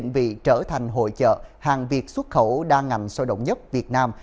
bị trở thành hội trợ hàng việc xuất khẩu đa ngành sôi động nhất việt nam